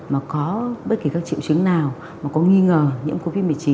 mà có bất kỳ các triệu chứng nào mà có nghi ngờ nhiễm covid một mươi chín